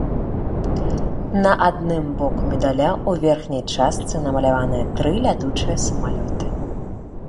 На адным боку медаля ў верхняй частцы намаляваныя тры лятучыя самалёты.